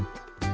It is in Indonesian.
ini udah cukup